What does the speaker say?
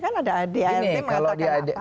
kan ada adart mengatakan apa